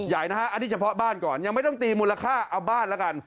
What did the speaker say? ใหญ่นะฮะอันนี้เฉพาะบ้านก่อนยังไม่ต้องตีมูลค่าเอาบ้านแล้วกัน